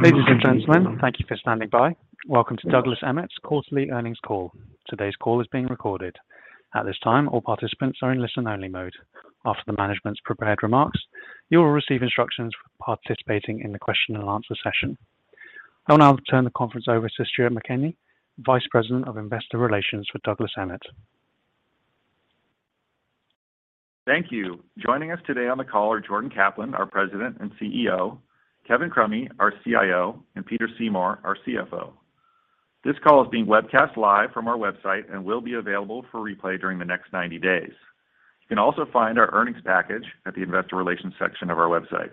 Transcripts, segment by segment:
Ladies and gentlemen, thank you for standing by. Welcome to Douglas Emmett's Quarterly Earnings Call. Today's call is being recorded. At this time, all participants are in listen-only mode. After the management's prepared remarks, you will receive instructions for participating in the question and answer session. I will now turn the conference over to Stuart McElhinney, Vice President of Investor Relations for Douglas Emmett. Thank you. Joining us today on the call are Jordan Kaplan, our President and CEO, Kevin Crummy, our CIO, and Peter Seymour, our CFO. This call is being webcast live from our website and will be available for replay during the next 90 days. You can also find our earnings package at the investor relations section of our website.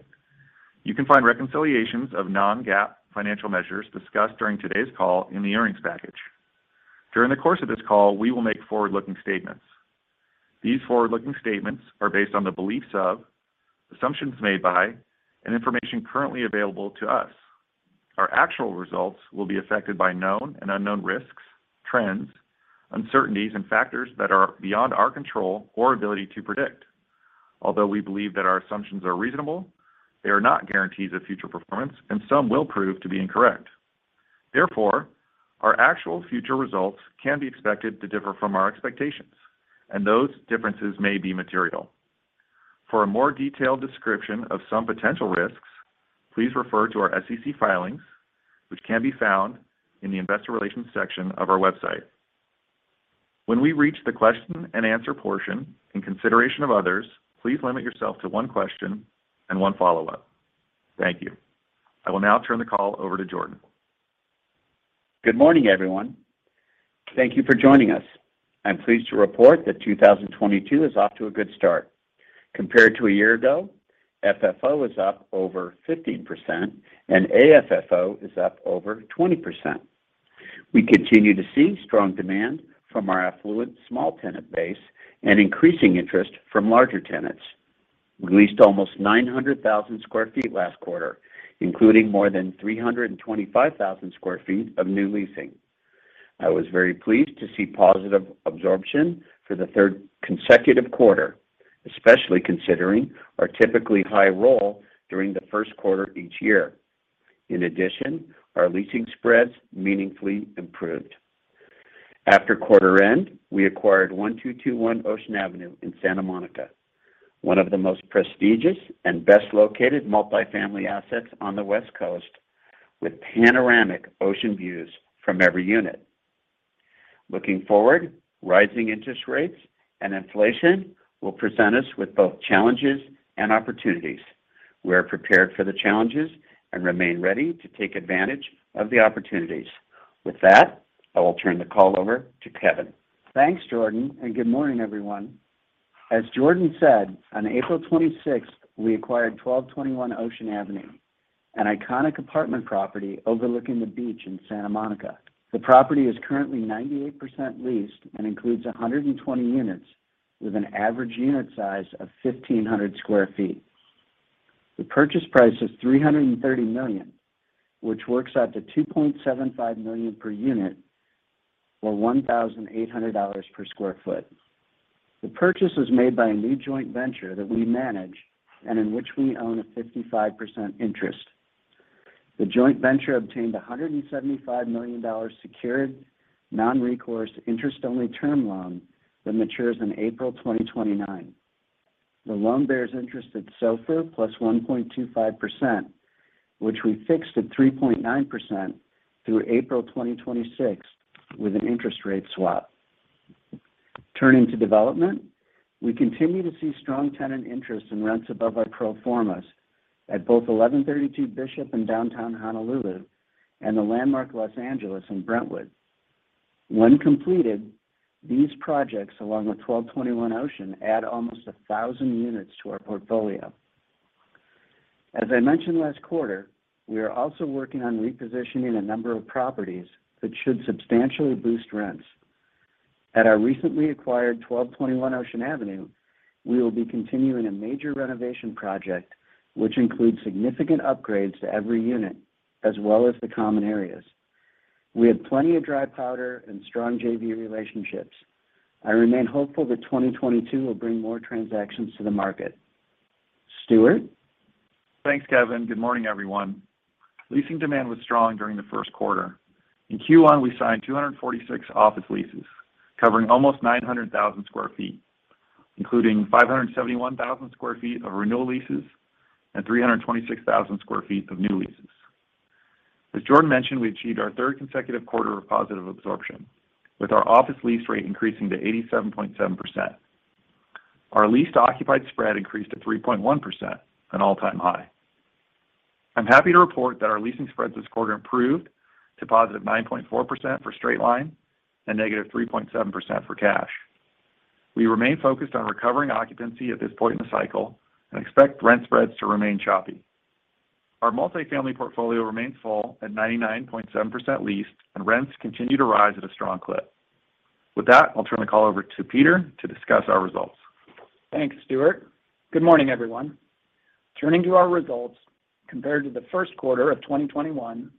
You can find reconciliations of non-GAAP financial measures discussed during today's call in the earnings package. During the course of this call, we will make forward-looking statements. These forward-looking statements are based on the beliefs of, assumptions made by, and information currently available to us. Our actual results will be affected by known and unknown risks, trends, uncertainties, and factors that are beyond our control or ability to predict. Although we believe that our assumptions are reasonable, they are not guarantees of future performance, and some will prove to be incorrect. Therefore, our actual future results can be expected to differ from our expectations, and those differences may be material. For a more detailed description of some potential risks, please refer to our SEC filings, which can be found in the investor relations section of our website. When we reach the question and answer portion, in consideration of others, please limit yourself to one question and one follow-up. Thank you. I will now turn the call over to Jordan. Good morning, everyone. Thank you for joining us. I'm pleased to report that 2022 is off to a good start. Compared to a year ago, FFO is up over 15%, and AFFO is up over 20%. We continue to see strong demand from our affluent small tenant base and increasing interest from larger tenants. We leased almost 900,000 sq ft last quarter, including more than 325,000 sq ft of new leasing. I was very pleased to see positive absorption for the third consecutive quarter, especially considering our typically high roll during the Q1 each year. In addition, our leasing spreads meaningfully improved. After quarter end, we acquired 1221 Ocean Avenue in Santa Monica, one of the most prestigious and best located multi-family assets on the West Coast, with panoramic ocean views from every unit. Looking forward, rising interest rates and inflation will present us with both challenges and opportunities. We are prepared for the challenges and remain ready to take advantage of the opportunities. With that, I will turn the call over to Kevin. Thanks, Jordan, and good morning, everyone. As Jordan said, on 26 April 2022, we acquired 1221 Ocean Avenue, an iconic apartment property overlooking the beach in Santa Monica. The property is currently 98% leased and includes 120 units with an average unit size of 1,500 sq ft. The purchase price is $330 million, which works out to $2.75 million per unit or $1,800 per sq ft. The purchase was made by a new joint venture that we manage and in which we own a 55% interest. The joint venture obtained a $175 million secured, non-recourse, interest-only term loan that matures in April 2029. The loan bears interest at SOFR plus 1.25%, which we fixed at 3.9% through April 2026 with an interest rate swap. Turning to development, we continue to see strong tenant interest and rents above our pro formas at both 1132 Bishop in downtown Honolulu and The Landmark Los Angeles in Brentwood. When completed, these projects, along with 1221 Ocean, add almost 1,000 units to our portfolio. As I mentioned last quarter, we are also working on repositioning a number of properties that should substantially boost rents. At our recently acquired 1221 Ocean Avenue, we will be continuing a major renovation project, which includes significant upgrades to every unit as well as the common areas. We have plenty of dry powder and strong JV relationships. I remain hopeful that 2022 will bring more transactions to the market. Stuart. Thanks, Kevin. Good morning, everyone. Leasing demand was strong during the Q1. In Q1, we signed 246 office leases covering almost 900,000 sq ft, including 571,000 sq ft of renewal leases and 326,000 sq ft of new leases. As Jordan mentioned, we achieved our third consecutive quarter of positive absorption with our office lease rate increasing to 87.7%. Our leased occupied spread increased to 3.1%, an all-time high. I'm happy to report that our leasing spreads this quarter improved to +9.4% for straight line and -3.7% for cash. We remain focused on recovering occupancy at this point in the cycle and expect rent spreads to remain choppy. Our multifamily portfolio remains full at 99.7% leased, and rents continue to rise at a strong clip. With that, I'll turn the call over to Peter to discuss our results. Thanks, Stuart. Good morning, everyone. Turning to our results, compared to the Q1 of 2021,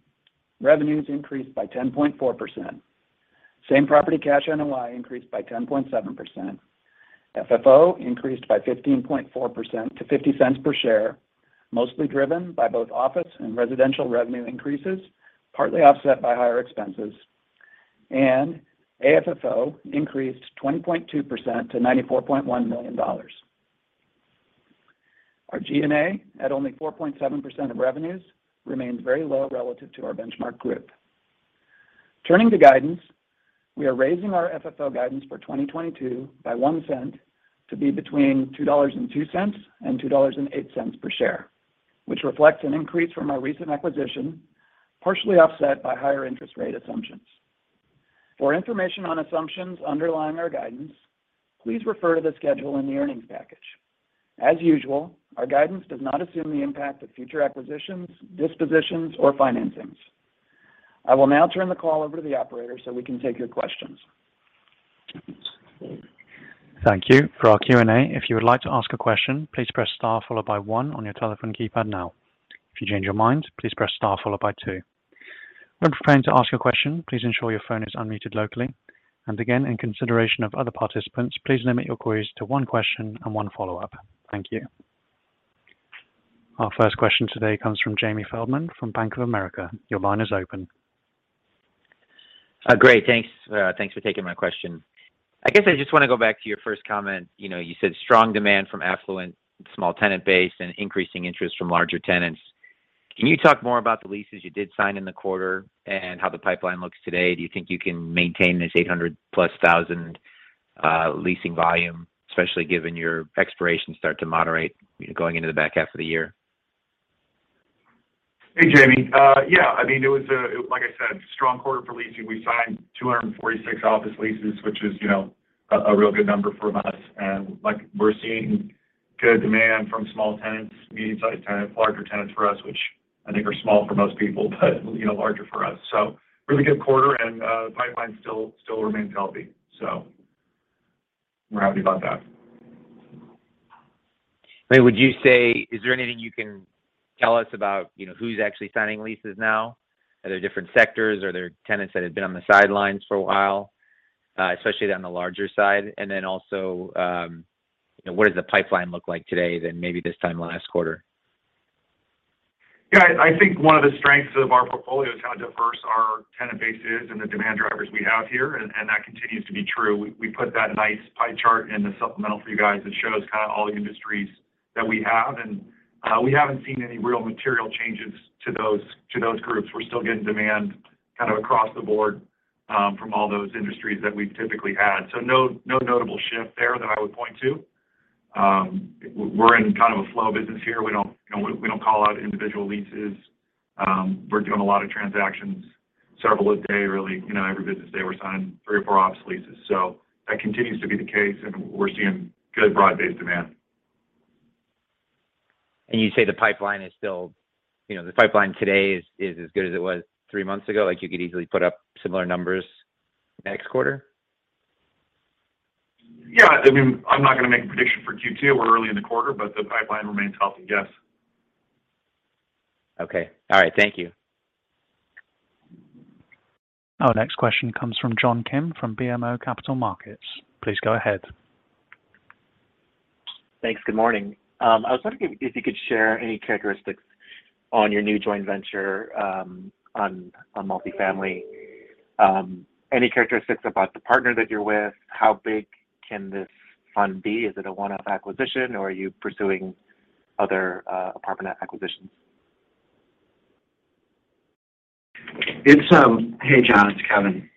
revenues increased by 10.4%. Same property cash NOI increased by 10.7%. FFO increased by 15.4% to $0.50 per share, mostly driven by both office and residential revenue increases, partly offset by higher expenses. AFFO increased 20.2% to $94.1 million. Our G&A at only 4.7% of revenues remains very low relative to our benchmark group. Turning to guidance, we are raising our FFO guidance for 2022 by $0.01 to be between $2.02 and $2.08 per share, which reflects an increase from our recent acquisition, partially offset by higher interest rate assumptions. For information on assumptions underlying our guidance, please refer to the schedule in the earnings package. As usual, our guidance does not assume the impact of future acquisitions, dispositions, or financings. I will now turn the call over to the operator so we can take your questions. Thank you. For our Q&A, if you would like to ask a question, please press star followed by one on your telephone keypad now. If you change your mind, please press star followed by two. When preparing to ask your question, please ensure your phone is unmuted locally. Again, in consideration of other participants, please limit your queries to one question and one follow-up. Thank you. Our first question today comes from Jamie Feldman from Bank of America. Your line is open. Great. Thanks. Thanks for taking my question. I guess I just want to go back to your first comment. You know, you said strong demand from affluent small tenant base and increasing interest from larger tenants. Can you talk more about the leases you did sign in the quarter and how the pipeline looks today? Do you think you can maintain this 800,000+ leasing volume, especially given your expirations start to moderate going into the back half of the year? Hey, Jamie. Yeah, I mean, like I said, strong quarter for leasing. We signed 246 office leases, which is, you know, a real good number from us. Like, we're seeing good demand from small tenants, medium-sized tenants, larger tenants for us, which I think are small for most people, but, you know, larger for us. Really good quarter and the pipeline still remains healthy. We're happy about that. I mean, would you say is there anything you can tell us about, you know, who's actually signing leases now? Are there different sectors? Are there tenants that had been on the sidelines for a while, especially on the larger side? And then also, you know, what does the pipeline look like today than maybe this time last quarter? Yeah. I think one of the strengths of our portfolio is how diverse our tenant base is and the demand drivers we have here, and that continues to be true. We put that nice pie chart in the supplemental for you guys that shows kind of all the industries that we have. We haven't seen any real material changes to those groups. We're still getting demand kind of across the board from all those industries that we've typically had. No notable shift there that I would point to. We're in kind of a flow business here. We don't, you know, we don't call out individual leases. We're doing a lot of transactions, several a day, really. You know, every business day, we're signing three or four office leases. That continues to be the case, and we're seeing good broad-based demand. You say the pipeline is still. You know, the pipeline today is as good as it was three months ago. Like, you could easily put up similar numbers next quarter? Yeah. I mean, I'm not going to make a prediction for Q2. We're early in the quarter, but the pipeline remains healthy. Yes. Okay. All right. Thank you. Our next question comes from John Kim from BMO Capital Markets. Please go ahead. Thanks. Good morning. I was wondering if you could share any characteristics on your new joint venture, on multifamily. Any characteristics about the partner that you're with? How big can this fund be? Is it a one-off acquisition, or are you pursuing other apartment acquisitions? Hey, John, it's Kevin.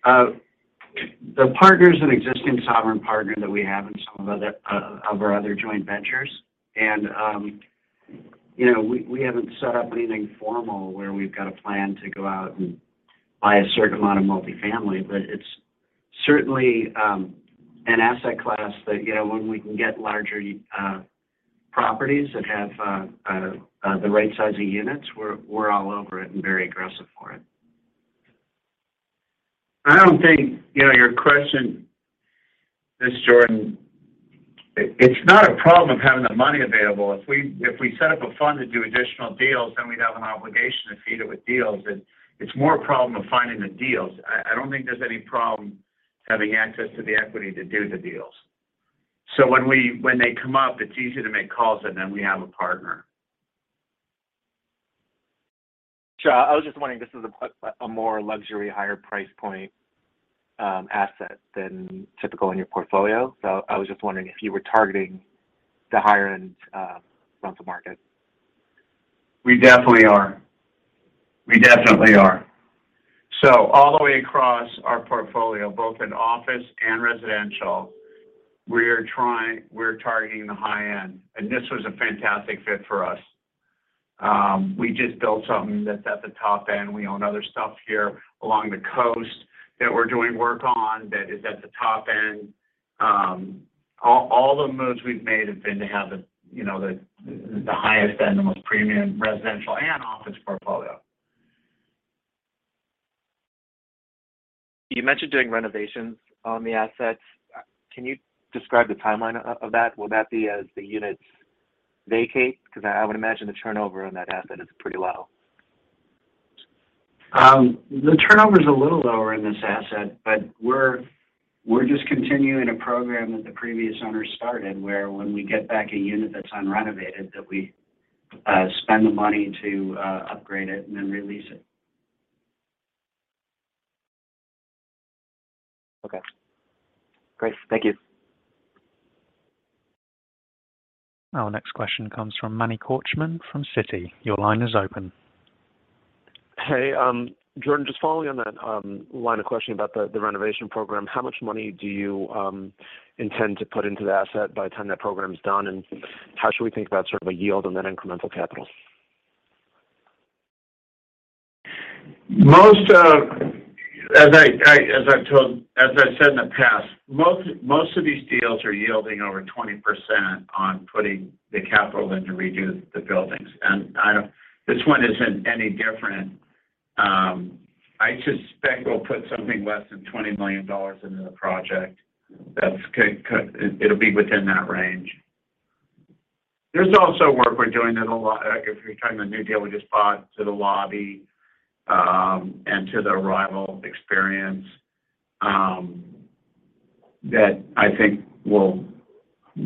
The partner's an existing sovereign partner that we have in some of our other joint ventures. You know, we haven't set up anything formal where we've got a plan to go out and buy a certain amount of multifamily. It's certainly an asset class that, you know, when we can get larger properties that have the right size of units, we're all over it and very aggressive for it. I don't think, you know, your question, this, Jordan, it's not a problem of having the money available. If we set up a fund to do additional deals, then we'd have an obligation to feed it with deals. It's more a problem of finding the deals. I don't think there's any problem having access to the equity to do the deals. When they come up, it's easier to make calls, and then we have a partner. Sure. I was just wondering, this is a more luxury, higher price point asset than typical in your portfolio. I was just wondering if you were targeting the higher end rental market. We definitely are. All the way across our portfolio, both in office and residential, we're targeting the high end. This was a fantastic fit for us. We just built something that's at the top end. We own other stuff here along the coast that we're doing work on that is at the top end. All the moves we've made have been to have the highest end, the most premium residential and office portfolio. You mentioned doing renovations on the assets. Can you describe the timeline of that? Will that be as the units vacate? Because I would imagine the turnover on that asset is pretty low. The turnover is a little lower in this asset, but we're just continuing a program that the previous owner started, where when we get back a unit that's unrenovated, that we spend the money to upgrade it and then release it. Okay, great. Thank you. Our next question comes from Manny Korchman from Citi. Your line is open. Hey, Jordan, just following on that line of questioning about the renovation program. How much money do you intend to put into the asset by the time that program is done, and how should we think about sort of a yield on that incremental capital? As I said in the past, most of these deals are yielding over 20% on putting the capital into redo the buildings. This one isn't any different. I suspect we'll put something less than $20 million into the project. It'll be within that range. There's also work we're doing that's a lot. If you're talking about the new deal we just bought to the lobby, and to the arrival experience, that I think will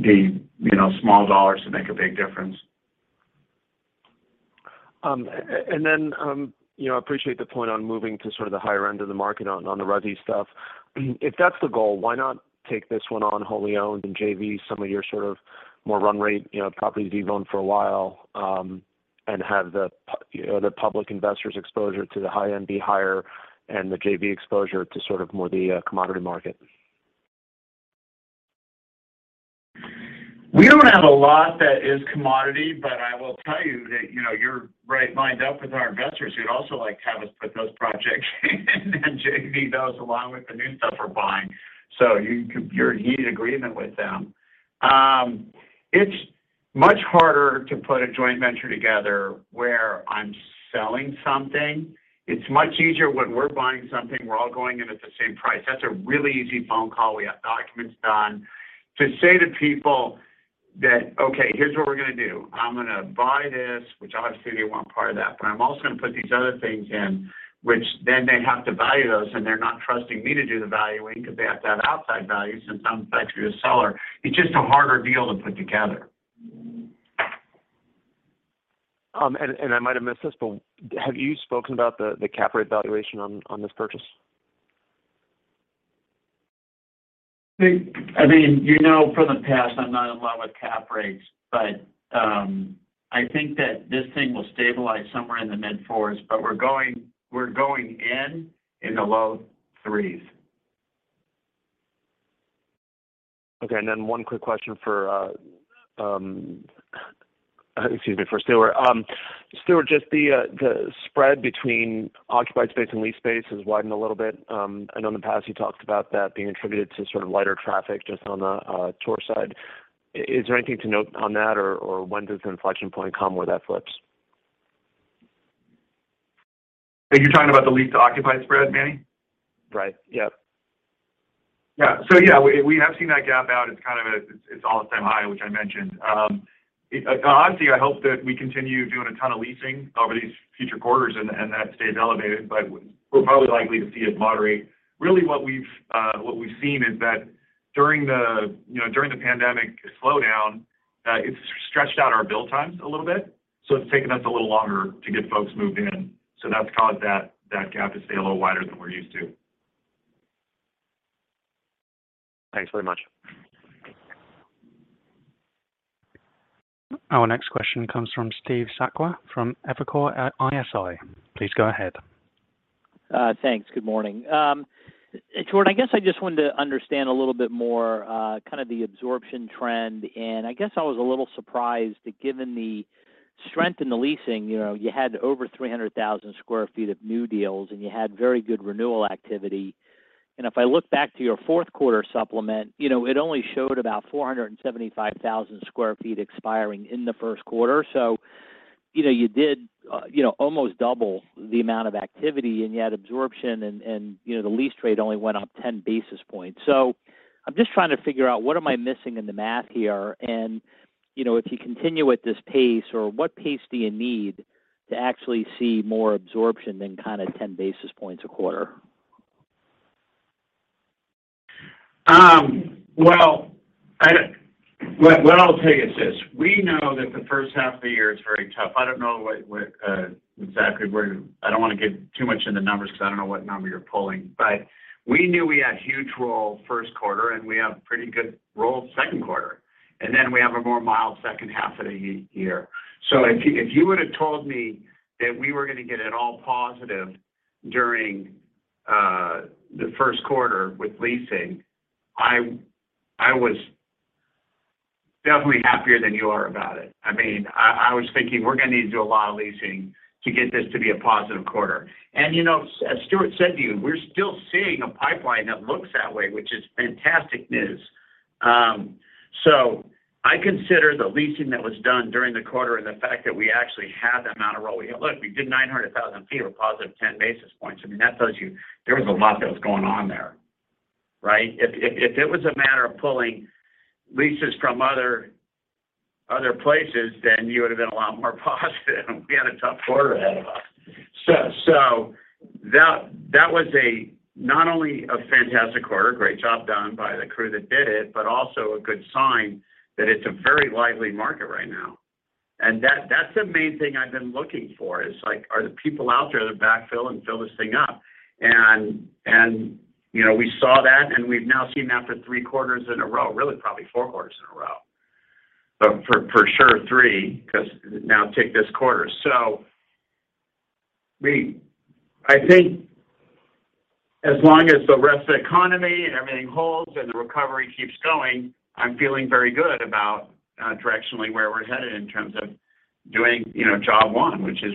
be, you know, small dollars to make a big difference. You know, I appreciate the point on moving to sort of the higher end of the market on the resi stuff. If that's the goal, why not take this one on wholly owned and JV some of your sort of more run rate, you know, properties you've owned for a while, and have the public investors exposure to the high end be higher and the JV exposure to sort of more the commodity market. We don't have a lot that is commodity, but I will tell you that, you know, you're right lined up with our investors who'd also like to have us put those projects in JV, those along with the new stuff we're buying. You're in heated agreement with them. It's much harder to put a joint venture together where I'm selling something. It's much easier when we're buying something, we're all going in at the same price. That's a really easy phone call. We have documents done. To say to people that, "Okay, here's what we're gonna do. I'm gonna buy this," which obviously they want part of that, but I'm also gonna put these other things in which then they have to value those, and they're not trusting me to do the valuing because they have to have outside values since I'm actually a seller. It's just a harder deal to put together. I might have missed this, but have you spoken about the cap rate valuation on this purchase? I mean, you know from the past, I'm not in love with cap rates, but I think that this thing will stabilize somewhere in the mid-4s%. We're going in the low 3s%. Okay. One quick question for, excuse me, for Stuart. Stuart, just the spread between occupied space and lease space has widened a little bit. I know in the past you talked about that being attributed to sort of lighter traffic just on the tour side. Is there anything to note on that, or when does inflection point come where that flips? Are you talking about the lease to occupied spread, Manny? Right. Yep. Yeah. We have seen that gap out. It's kind of an all-time high, which I mentioned. Honestly, I hope that we continue doing a ton of leasing over these future quarters and that stays elevated, but we're probably likely to see it moderate. Really what we've seen is that during the pandemic slowdown, you know, it's stretched out our build times a little bit. It's taken us a little longer to get folks moved in. That's caused that gap to stay a little wider than we're used to. Thanks very much. Our next question comes from Steve Sakwa from Evercore ISI. Please go ahead. Thanks. Good morning. Stuart, I guess I just wanted to understand a little bit more, kind of the absorption trend. I guess I was a little surprised given the strength in the leasing. You know, you had over 300,000 sq ft of new deals, and you had very good renewal activity. If I look back to your Q4 supplement, you know, it only showed about 475,000 sq ft expiring in the Q1. You know, you did almost double the amount of activity and yet absorption and you know, the lease rate only went up 10 basis points. I'm just trying to figure out what am I missing in the math here. You know, if you continue at this pace or what pace do you need to actually see more absorption than kind of 10 basis points a quarter? What I'll tell you is this. We know that the first half of the year is very tough. I don't want to get too much into numbers because I don't know what number you're pulling. We knew we had huge roll first quarter, and we have pretty good roll second quarter, and then we have a more mild second half of the year. If you would've told me that we were gonna get it all positive during the Q1 with leasing, I was definitely happier than you are about it. I mean, I was thinking we're gonna need to do a lot of leasing to get this to be a positive quarter. You know, as Stuart said to you, we're still seeing a pipeline that looks that way, which is fantastic news. I consider the leasing that was done during the quarter and the fact that we actually had that amount of roll. Look, we did 900,000 sq ft of a positive 10 basis points. I mean, that tells you there was a lot that was going on there. Right? If it was a matter of pulling leases from other places, then you would have been a lot more positive. We had a tough quarter ahead of us. That was not only a fantastic quarter, great job done by the crew that did it, but also a good sign that it's a very lively market right now. That's the main thing I've been looking for, is, like, are the people out there to backfill and fill this thing up? You know, we saw that, and we've now seen that for three quarters in a row, really probably four quarters in a row. For sure three, 'cause now take this quarter. I think as long as the rest of the economy and everything holds and the recovery keeps going, I'm feeling very good about directionally where we're headed in terms of doing, you know, job one, which is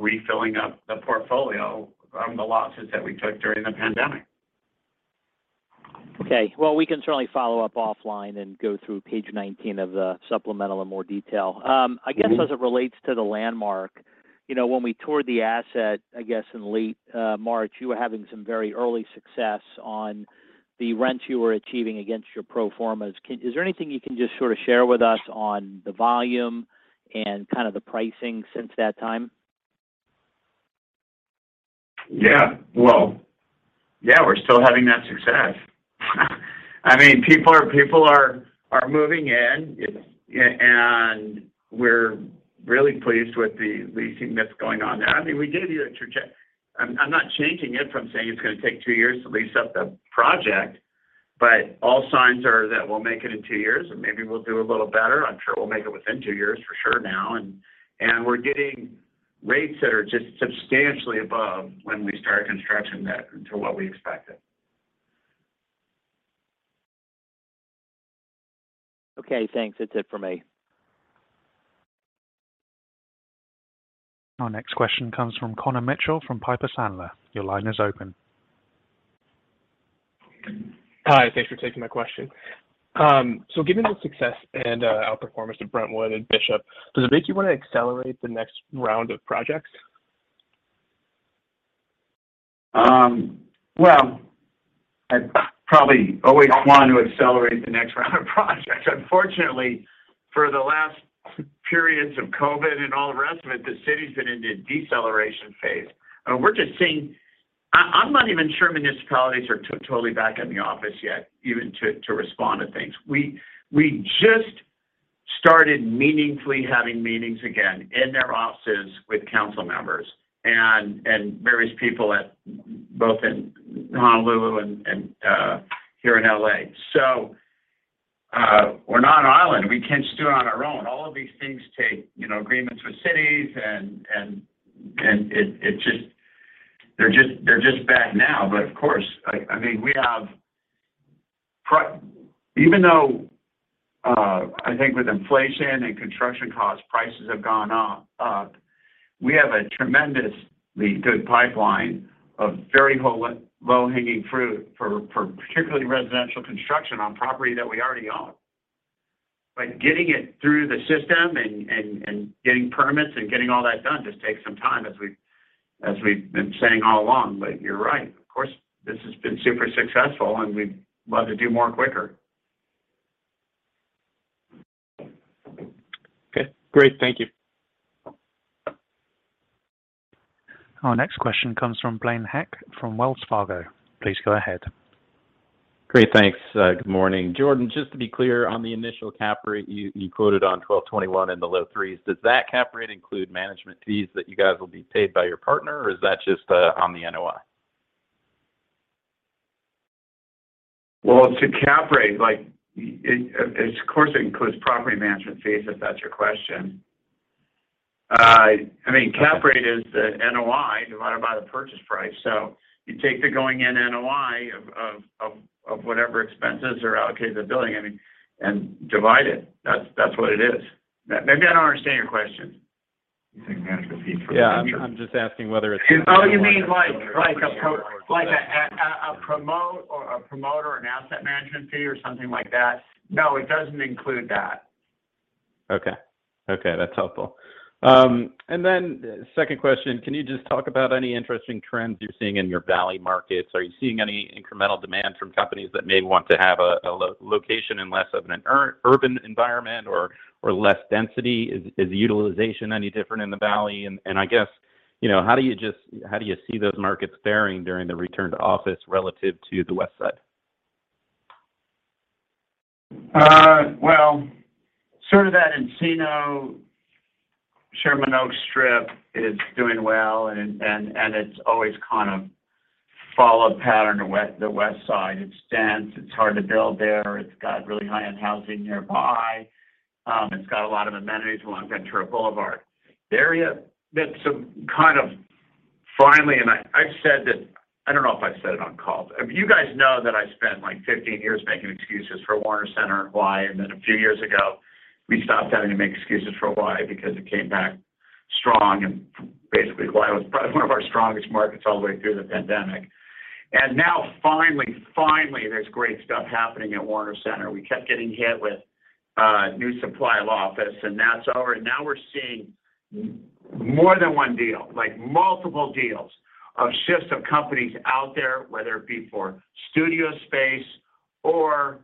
refilling up the portfolio from the losses that we took during the pandemic. Okay. Well, we can certainly follow up offline and go through page 19 of the supplemental in more detail. I guess as it relates to the Landmark, you know, when we toured the asset, I guess in late March, you were having some very early success on the rents you were achieving against your pro formas. Is there anything you can just sort of share with us on the volume and kind of the pricing since that time? Yeah. Well, yeah, we're still having that success. I mean, people are moving in, and we're really pleased with the leasing that's going on there. I mean, I'm not changing it from saying it's gonna take two years to lease up the project, but all signs are that we'll make it in two years, and maybe we'll do a little better. I'm sure we'll make it within two years for sure now. We're getting rates that are just substantially above what we expected when we started construction. Okay, thanks. That's it for me. Our next question comes from Connor Mitchell from Piper Sandler. Your line is open. Hi, thanks for taking my question. Given the success and outperformance of Brentwood and Bishop, does it make you want to accelerate the next round of projects? Well, I probably always want to accelerate the next round of projects. Unfortunately, for the last periods of COVID and all the rest of it, the city's been in a deceleration phase. We're just seeing. I'm not even sure municipalities are totally back in the office yet, even to respond to things. We just started meaningfully having meetings again in their offices with council members and various people, both in Honolulu and here in L.A. We're not an island. We can't just do it on our own. All of these things take, you know, agreements with cities and it just. They're just back now. Of course, I mean, even though I think with inflation and construction costs, prices have gone up, we have a tremendously good pipeline of very low hanging fruit for particularly residential construction on property that we already own. Getting it through the system and getting permits and getting all that done just takes some time, as we've been saying all along. You're right. Of course, this has been super successful, and we'd love to do more quicker. Okay, great. Thank you. Our next question comes from Blaine Heck from Wells Fargo. Please go ahead. Great, thanks. Good morning. Jordan, just to be clear on the initial cap rate you quoted on 1221 in the low 3s%, does that cap rate include management fees that you guys will be paid by your partner, or is that just on the NOI? Well, it's a cap rate, like it, of course, it includes property management fees, if that's your question. I mean, cap rate is the NOI divided by the purchase price. So you take the going in NOI of whatever expenses are allocated to the building, I mean, and divide it. That's what it is. Maybe I don't understand your question. Yeah, I'm just asking whether it's? Oh, you mean like a promote or a promoter, an asset management fee or something like that? No, it doesn't include that. Okay. Okay, that's helpful. Second question, can you just talk about any interesting trends you're seeing in your Valley markets? Are you seeing any incremental demand from companies that may want to have a location in less of an urban environment or less density? Is the utilization any different in the Valley? I guess, you know, how do you see those markets faring during the return to office relative to the West Side? Sort of that Encino Sherman Oaks strip is doing well, and it's always kind of followed pattern of the West Side. It's dense, it's hard to build there. It's got really high-end housing nearby. It's got a lot of amenities along Ventura Boulevard. The area that's kind of finally, I've said that. I don't know if I've said it on calls. You guys know that I spent like 15 years making excuses for Warner Center in Hawaii, and then a few years ago, we stopped having to make excuses for Hawaii because it came back strong. Basically, Hawaii was probably one of our strongest markets all the way through the pandemic. Now finally, there's great stuff happening at Warner Center. We kept getting hit with new supply of office, and that's over. Now we're seeing more than one deal, like multiple deals or shifts of companies out there, whether it be for studio space or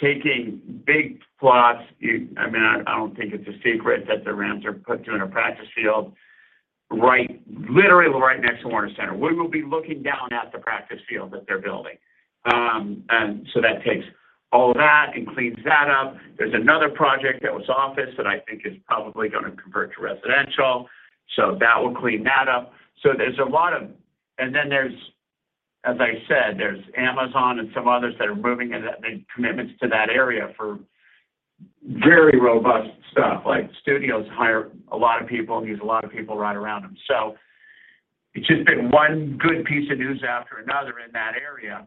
taking big plots. I mean, I don't think it's a secret that the Rams are putting a practice field, right, literally right next to Warner Center. We will be looking down at the practice field that they're building. That takes all that and cleans that up. There's another project that was office that I think is probably gonna convert to residential, so that will clean that up. There's a lot of. There's, as I said, there's Amazon and some others that are moving into making commitments to that area for very robust stuff. Like, studios hire a lot of people, use a lot of people right around them. It's just been one good piece of news after another in that area.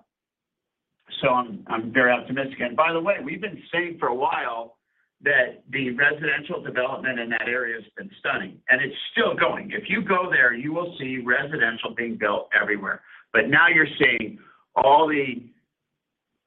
I'm very optimistic. By the way, we've been saying for a while that the residential development in that area has been stunning, and it's still going. If you go there, you will see residential being built everywhere. Now you're seeing all the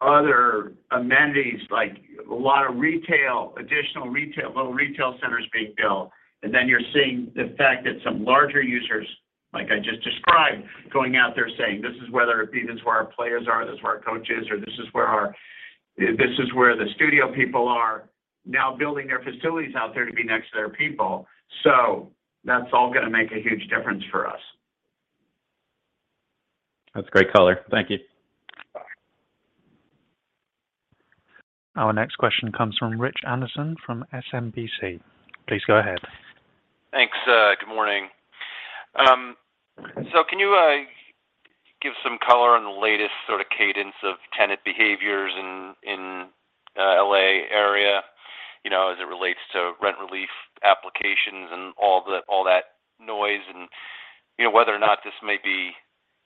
other amenities, like a lot of retail, additional retail, little retail centers being built. Then you're seeing the fact that some larger users, like I just described, going out there saying, "This is where our players are, this is where our coaches, or this is where the studio people are," now building their facilities out there to be next to their people. That's all gonna make a huge difference for us. That's a great color. Thank you. Bye. Our next question comes from Rich Anderson from SMBC. Please go ahead. Thanks. Good morning. Can you give some color on the latest sort of cadence of tenant behaviors in the L.A. area, you know, as it relates to rent relief applications and all that noise and, you know, whether or not this may be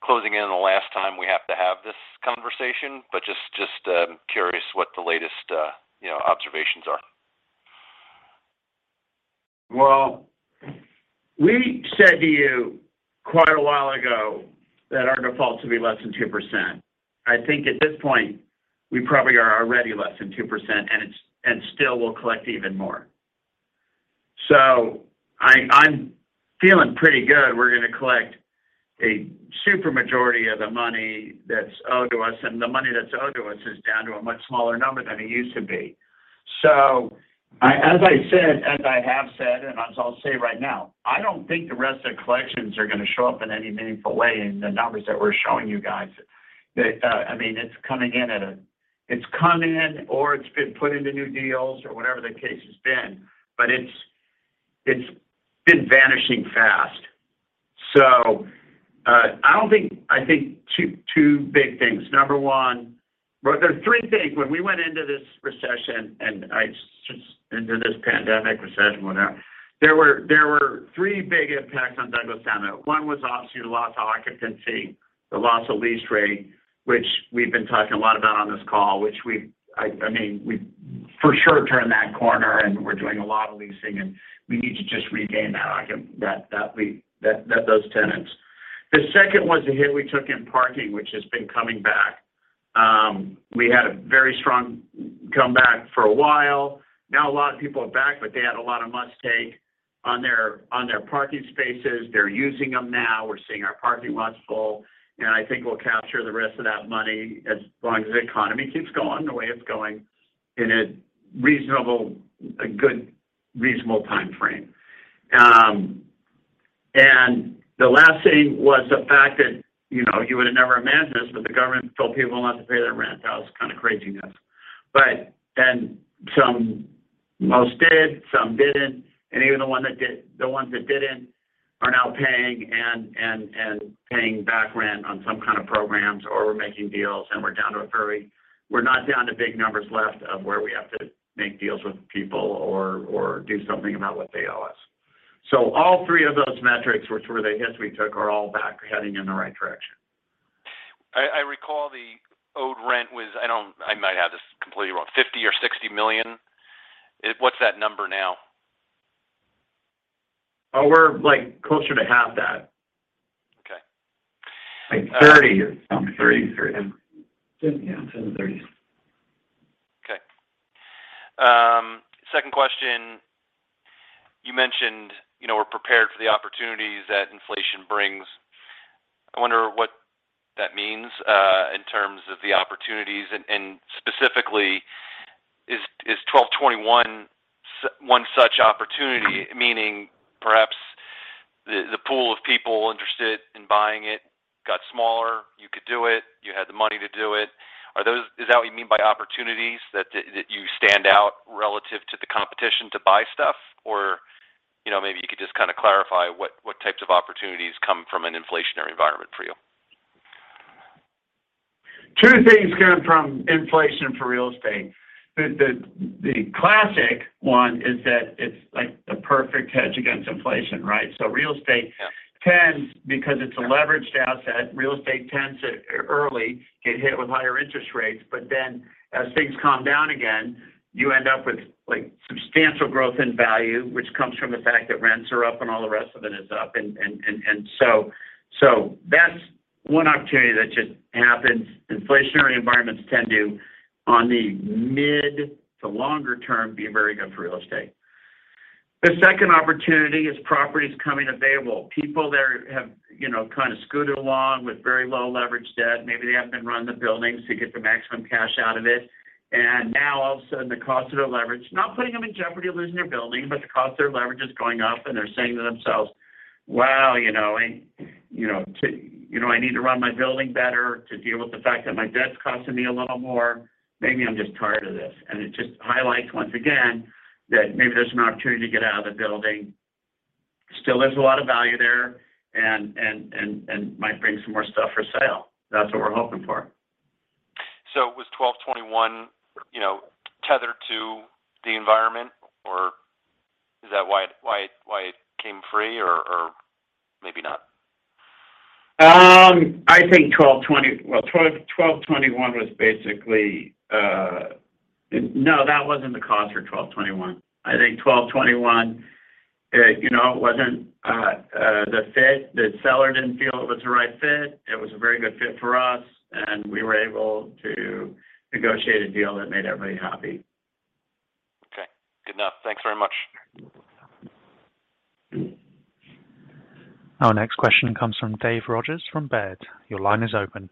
closing in on the last time we have to have this conversation? Just curious what the latest observations are. Well, we said to you quite a while ago that our defaults will be less than 2%. I think at this point, we probably are already less than 2%, and still we'll collect even more. I'm feeling pretty good we're gonna collect a super majority of the money that's owed to us, and the money that's owed to us is down to a much smaller number than it used to be. As I said, as I have said, and as I'll say right now, I don't think the rest of the collections are gonna show up in any meaningful way in the numbers that we're showing you guys. I mean, it's come in or it's been put into new deals or whatever the case has been. It's been vanishing fast. I think two big things. Number one. Well, there are three things. When we went into this recession and since into this pandemic, recession, whatever, there were three big impacts on Douglas Emmett. One was obviously the loss of occupancy, the loss of lease rate, which we've been talking a lot about on this call, which we've. I mean, we've for sure turned that corner, and we're doing a lot of leasing, and we need to just regain those tenants. The second was the hit we took in parking, which has been coming back. We had a very strong comeback for a while. Now, a lot of people are back, but they had a lot of must-take on their parking spaces. They're using them now. We're seeing our parking lots full, and I think we'll capture the rest of that money as long as the economy keeps going the way it's going in a reasonable, good timeframe. The last thing was the fact that, you know, you would have never imagined this, but the government told people not to pay their rent. That was kind of craziness. Most did, some didn't, and even the ones that didn't are now paying and paying back rent on some kind of programs or we're making deals. We're not down to big numbers left to where we have to make deals with people or do something about what they owe us. All three of those metrics, which were the hits we took, are all back heading in the right direction. I recall the owed rent was. I might have this completely wrong, $50 million or $60 million. What's that number now? Oh, we're, like, closer to half that. Okay. Like $30 million or something. 30. 30, yeah. It's in the 30s. Okay. Second question. You mentioned, you know, we're prepared for the opportunities that inflation brings. I wonder what that means in terms of the opportunities. Specifically, is 1221 one such opportunity? Meaning perhaps the pool of people interested in buying it got smaller, you could do it, you had the money to do it. Is that what you mean by opportunities, that you stand out relative to the competition to buy stuff? Or, you know, maybe you could just kind of clarify what types of opportunities come from an inflationary environment for you. Two things come from inflation for real estate. The classic one is that it's like the perfect hedge against inflation, right? Real estate tends, because it's a leveraged asset, real estate tends to early get hit with higher interest rates. Then as things calm down again, you end up with, like, substantial growth in value, which comes from the fact that rents are up and all the rest of it is up. So that's one opportunity that just happens. Inflationary environments tend to, on the mid to longer term, be very good for real estate. The second opportunity is properties coming available. People there have, you know, kind of scooted along with very low leverage debt. Maybe they haven't been running the buildings to get the maximum cash out of it. Now all of a sudden, the cost of their leverage, not putting them in jeopardy of losing their building, but the cost of their leverage is going up, and they're saying to themselves, "Wow, you know, I, you know, You know, I need to run my building better to deal with the fact that my debt's costing me a little more. Maybe I'm just tired of this." It just highlights once again that maybe there's an opportunity to get out of the building. Still, there's a lot of value there and might bring some more stuff for sale. That's what we're hoping for. Was 1221, you know, tethered to the environment or is that why it came free or maybe not? No, that wasn't the cost for 1221. I think 1221, you know, it wasn't the fit. The seller didn't feel it was the right fit. It was a very good fit for us, and we were able to negotiate a deal that made everybody happy. Okay. Good enough. Thanks very much. Our next question comes from David Rodgers from Baird. Your line is open.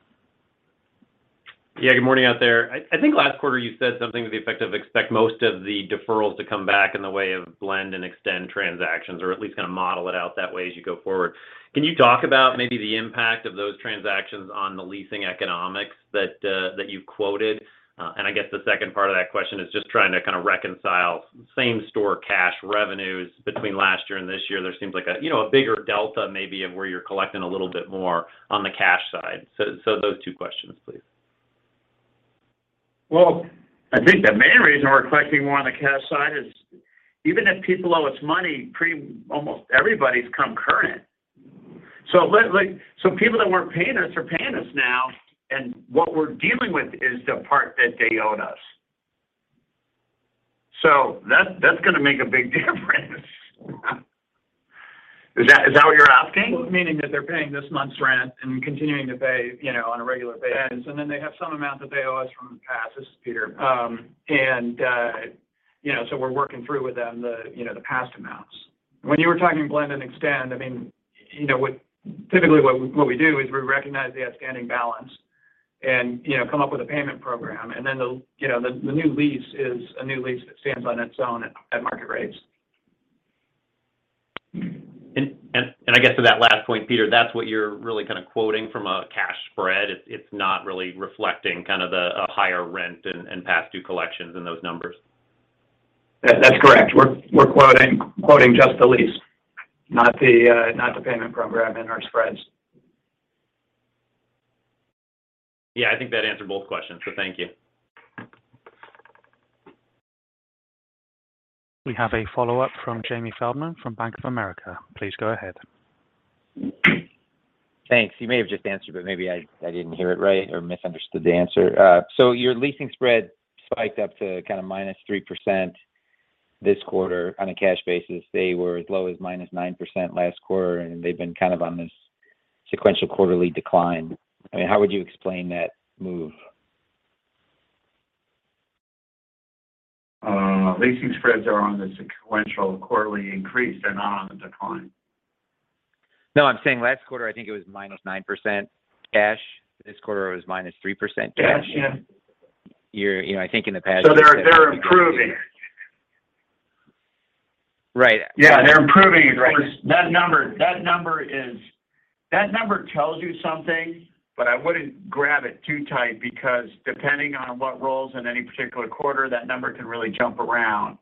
Yeah, good morning out there. I think last quarter you said something to the effect of expect most of the deferrals to come back in the way of blend and extend transactions or at least kind of model it out that way as you go forward. Can you talk about maybe the impact of those transactions on the leasing economics that you quoted? I guess the second part of that question is just trying to kind of reconcile same store cash revenues between last year and this year. There seems like a you know, a bigger delta maybe of where you're collecting a little bit more on the cash side. Those two questions, please. Well, I think the main reason we're collecting more on the cash side is even if people owe us money, almost everybody's come current. Like, some people that weren't paying us are paying us now, and what we're dealing with is the part that they owed us. That's gonna make a big difference. Is that what you're asking? Well, meaning that they're paying this month's rent and continuing to pay, you know, on a regular basis. Yes. They have some amount that they owe us from the past. This is Peter. You know, we're working through with them the past amounts. When you were talking blend and extend, I mean, you know, typically, what we do is we recognize the outstanding balance and, you know, come up with a payment program, and then the new lease is a new lease that stands on its own at market rates. I guess to that last point, Peter, that's what you're really kind of quoting from a cash spread. It's not really reflecting kind of the higher rent and past due collections in those numbers. That's correct. We're quoting just the lease, not the payment program and our spreads. Yeah. I think that answered both questions. Thank you. We have a follow-up from Jamie Feldman from Bank of America. Please go ahead. Thanks. You may have just answered, but maybe I didn't hear it right or misunderstood the answer. So your leasing spread spiked up to kind of -3% this quarter on a cash basis. They were as low as -9% last quarter, and they've been kind of on this sequential quarterly decline. I mean, how would you explain that move? Leasing spreads are on the sequential quarterly increase. They're not on the decline. No, I'm saying last quarter, I think it was -9% cash. This quarter, it was -3% cash. Cash, yeah. You know, I think in the past. They're improving. Right. Yeah. They're improving. Of course, that number is. That number tells you something, but I wouldn't grab it too tight because depending on what rollovers in any particular quarter, that number can really jump around.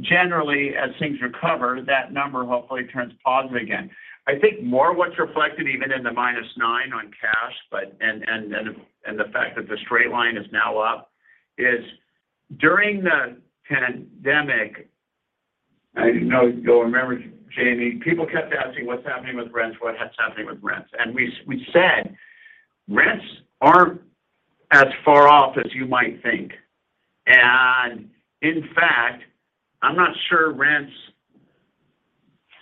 Generally, as things recover, that number hopefully turns positive again. I think more what's reflected even in the -9% on cash, but the fact that the straight line is now up is during the pandemic, I know you'll remember, Jamie, people kept asking, what's happening with rents? We said, rents aren't as far off as you might think. In fact, I'm not sure rents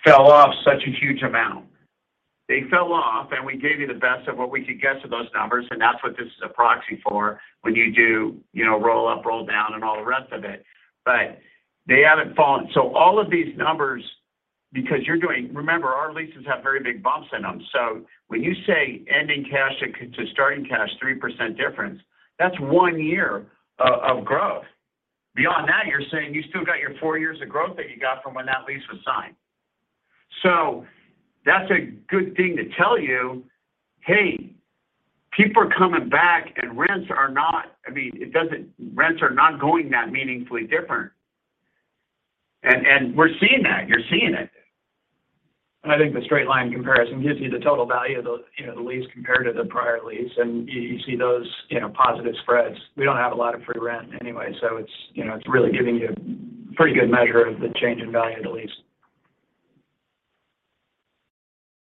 fell off such a huge amount. They fell off, and we gave you the best of what we could guess of those numbers, and that's what this is a proxy for when you do, you know, roll up, roll down, and all the rest of it. They haven't fallen. All of these numbers, because you're doing. Remember, our leases have very big bumps in them. When you say ending cash to starting cash, 3% difference, that's one year of growth. Beyond that, you're saying you still got your four years of growth that you got from when that lease was signed. That's a good thing to tell you, hey, people are coming back and rents are not. I mean, it doesn't. Rents are not going that meaningfully different. We're seeing that. You're seeing it. I think the straight line comparison gives you the total value of the, you know, the lease compared to the prior lease, and you see those, you know, positive spreads. We don't have a lot of free rent anyway, so it's, you know, it's really giving you a pretty good measure of the change in value of the lease.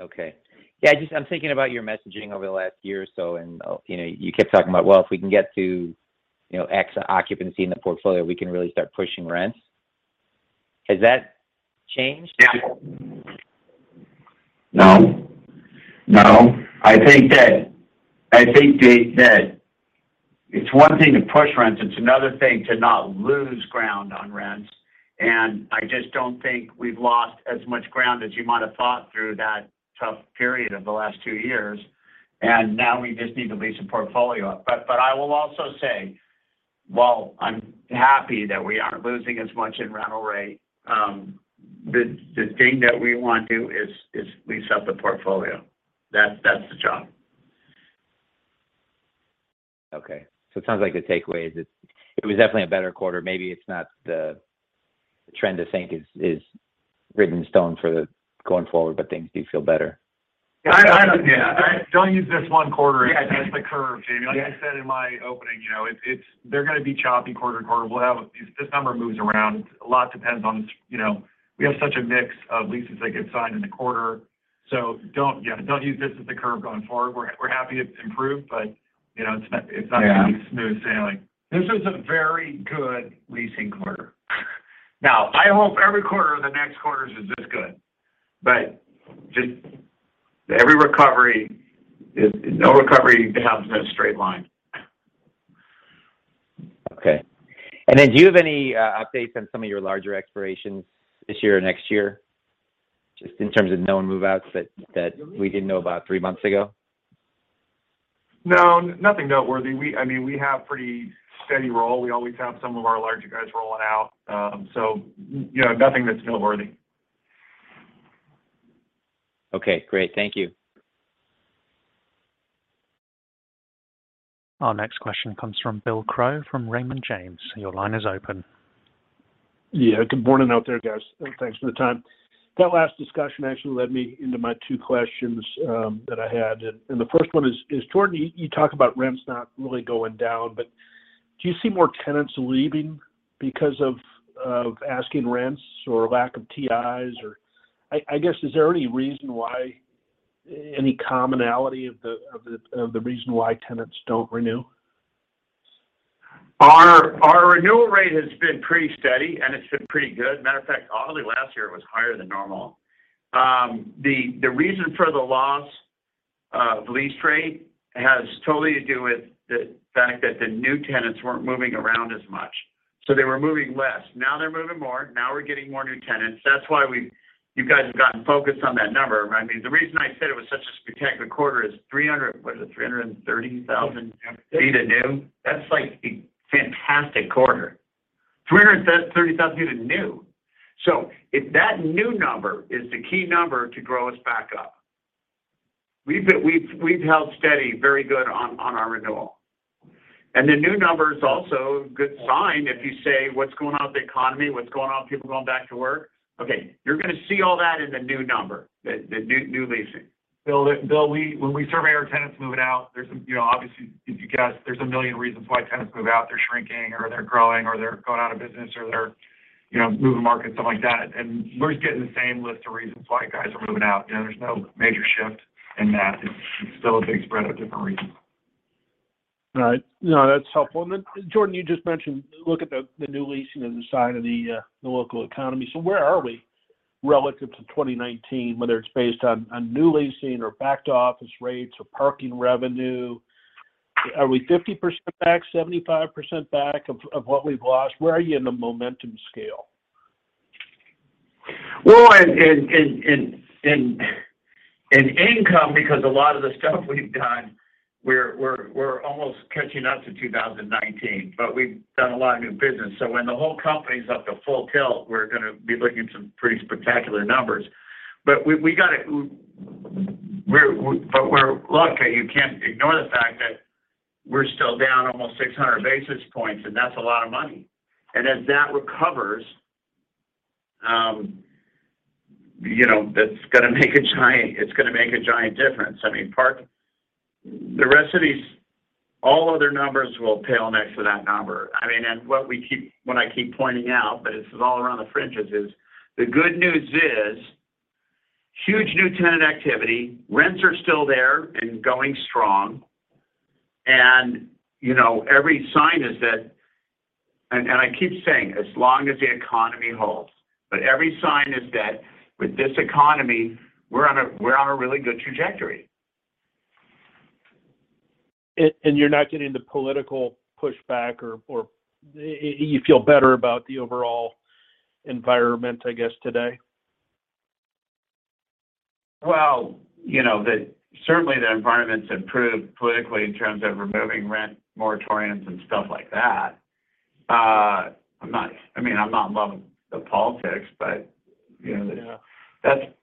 Okay. Yeah, just I'm thinking about your messaging over the last year or so and, you know, you kept talking about, well, if we can get to, you know, X occupancy in the portfolio, we can really start pushing rents. Has that changed? Yeah. No. No. I think that it's one thing to push rents, it's another thing to not lose ground on rents. I just don't think we've lost as much ground as you might have thought through that tough period of the last two years. Now we just need to lease a portfolio. But I will also say, while I'm happy that we aren't losing as much in rental rate, the thing that we want to is lease up the portfolio. That's the job. Okay. It sounds like the takeaway is it was definitely a better quarter. Maybe it's not the trend to think is written in stone for the going forward, but things do feel better. I Yeah. Don't use this one quarter as the curve, Jamie. Like I said in my opening, you know, it's, they're gonna be choppy quarter to quarter. We'll have. This number moves around. A lot depends on, you know, we have such a mix of leases that get signed in the quarter. Don't, yeah, don't use this as the curve going forward. We're happy it's improved, but you know, it's not. Yeah Gonna be smooth sailing. This is a very good leasing quarter. Now, I hope every quarter of the next quarters is this good, but no recovery happens in a straight line. Okay. Do you have any updates on some of your larger expirations this year or next year, just in terms of new move-outs that we didn't know about three months ago? No, nothing noteworthy. I mean, we have pretty steady roll. We always have some of our larger guys rolling out. You know, nothing that's noteworthy. Okay, great. Thank you. Our next question comes from Bill Crow from Raymond James. Your line is open. Yeah. Good morning out there, guys. Thanks for the time. That last discussion actually led me into my two questions that I had. The first one is, Jordan, you talk about rents not really going down, but do you see more tenants leaving because of asking rents or lack of TIs? Or I guess, is there any reason why any commonality of the reason why tenants don't renew? Our renewal rate has been pretty steady, and it's been pretty good. Matter of fact, oddly, last year it was higher than normal. The reason for the loss to lease rate has totally to do with the fact that the new tenants weren't moving around as much, so they were moving less. Now they're moving more. Now we're getting more new tenants. That's why you guys have gotten focused on that number. I mean, the reason I said it was such a spectacular quarter is 300, what is it, 330,000 sq ft of new. That's like a fantastic quarter. 330,000 sq ft of new. So if that new number is the key number to grow us back up, we've held steady very good on our renewal. The new number is also a good sign if you say, "What's going on with the economy? What's going on with people going back to work?" Okay, you're gonna see all that in the new number, the new leasing. Bill, when we survey our tenants moving out, there's, you know, obviously, you can guess there's a million reasons why tenants move out. They're shrinking or they're growing, or they're going out of business or they're, you know, moving markets, stuff like that. We're just getting the same list of reasons why guys are moving out. You know, there's no major shift in that. It's still a big spread of different reasons. All right. No, that's helpful. Jordan, you just mentioned look at the new leasing as a sign of the local economy. Where are we relative to 2019, whether it's based on new leasing or back to office rates or parking revenue? Are we 50% back, 75% back of what we've lost? Where are you in the momentum scale? Well, in income, because a lot of the stuff we've done, we're almost catching up to 2019, but we've done a lot of new business. When the whole company's up to full tilt, we're gonna be looking at some pretty spectacular numbers. We gotta look, you can't ignore the fact that we're still down almost 600 basis points, and that's a lot of money. As that recovers, you know, that's gonna make a giant difference. I mean, apart from the rest of these, all other numbers will pale next to that number. I mean, what I keep pointing out, but this is all around the fringes, is the good news is huge new tenant activity, rents are still there and going strong. You know, every sign is that. I keep saying, as long as the economy holds, but every sign is that with this economy, we're on a really good trajectory. you're not getting the political pushback or you feel better about the overall environment, I guess, today? Well, you know, certainly, the environment's improved politically in terms of removing rent moratoriums and stuff like that. I'm not, I mean, I'm not loving the politics, but, you know. Yeah.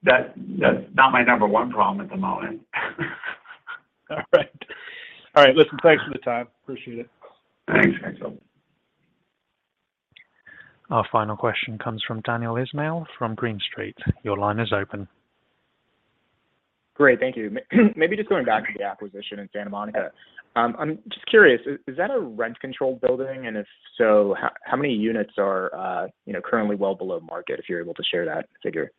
That's not my number one problem at the moment. All right. Listen, thanks for the time. Appreciate it. Thanks. Thanks. Our final question comes from Daniel Ismail from Green Street. Your line is open. Great. Thank you. Maybe just going back to the acquisition in Santa Monica. I'm just curious, is that a rent-controlled building? If so, how many units are, you know, currently well below market, if you're able to share that figure?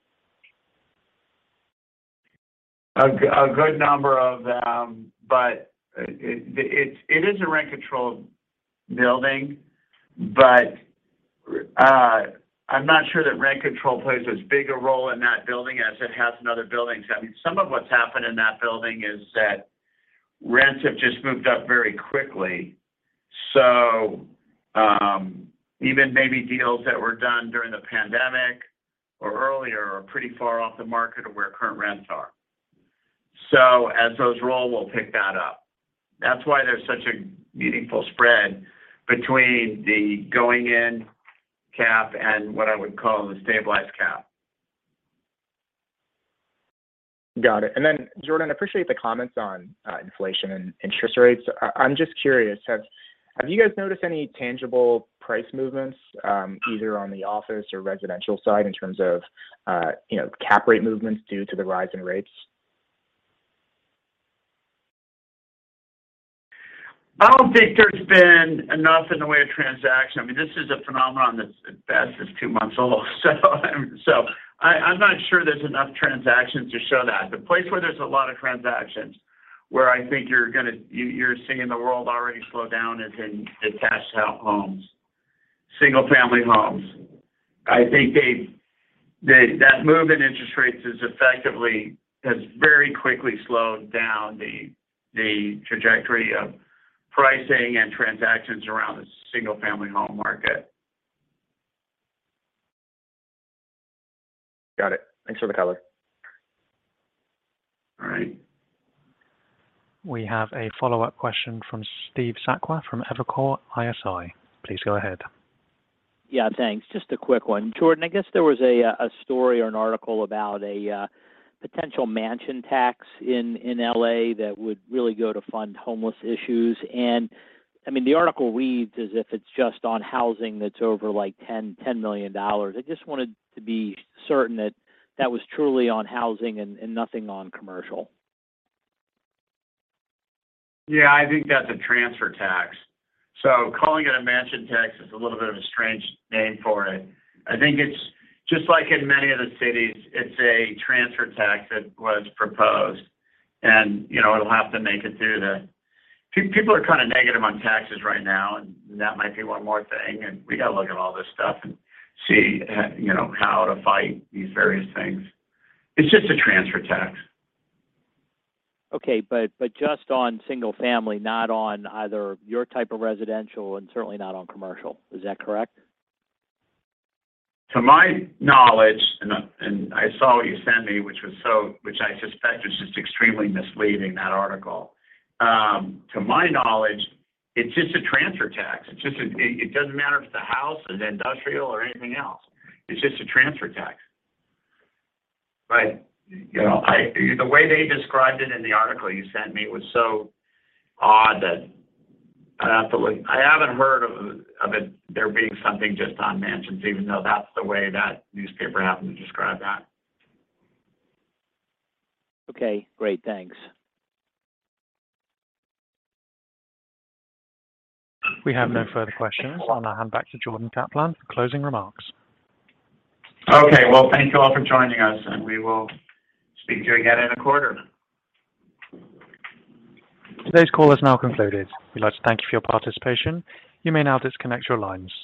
A good number of them, but it is a rent-controlled building. I'm not sure that rent control plays as big a role in that building as it has in other buildings. I mean, some of what's happened in that building is that rents have just moved up very quickly. Even maybe deals that were done during the pandemic or earlier are pretty far off the market of where current rents are. As those roll, we'll pick that up. That's why there's such a meaningful spread between the going in cap and what I would call the stabilized cap. Got it. Then, Jordan, appreciate the comments on inflation and interest rates. I'm just curious, have you guys noticed any tangible price movements, either on the office or residential side in terms of, you know, cap rate movements due to the rise in rates? I don't think there's been enough in the way of transactions. I mean, this is a phenomenon that's at best just two months old. I'm not sure there's enough transactions to show that. The place where there's a lot of transactions, where I think you're seeing the world already slow down is in attached homes, single-family homes. I think that move in interest rates has very quickly slowed down the trajectory of pricing and transactions around the single-family home market. Got it. Thanks for the color. All right. We have a follow-up question from Steve Sakwa from Evercore ISI. Please go ahead. Yeah, thanks. Just a quick one. Jordan, I guess there was a story or an article about a potential Mansion Tax in L.A. that would really go to fund homeless issues. I mean, the article reads as if it's just on housing that's over like $10 million. I just wanted to be certain that that was truly on housing and nothing non-commercial. Yeah, I think that's a transfer tax. Calling it a Mansion Tax is a little bit of a strange name for it. I think it's just like in many of the cities, it's a transfer tax that was proposed. You know, it'll have to make it through. People are kinda negative on taxes right now, and that might be one more thing, and we gotta look at all this stuff and see, you know, how to fight these various things. It's just a transfer tax. Just on single family, not on either your type of residential and certainly not on commercial. Is that correct? To my knowledge, I saw what you sent me, which I suspect was just extremely misleading, that article. To my knowledge, it's just a transfer tax. It's just a transfer tax. It doesn't matter if the house is industrial or anything else. It's just a transfer tax. You know, the way they described it in the article you sent me was so odd that I'd have to look. I haven't heard of it there being something just on mansions, even though that's the way that newspaper happened to describe that. Okay, great. Thanks. We have no further questions. I'll now hand back to Jordan Kaplan for closing remarks. Okay. Well, thank you all for joining us, and we will speak to you again in a quarter. Today's call has now concluded. We'd like to thank you for your participation. You may now disconnect your lines.